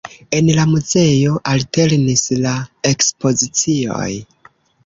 En la muzeo alternis la ekspozicioj.